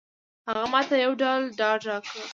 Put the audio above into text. هغه ماته یو ډول ډاډ راکړ.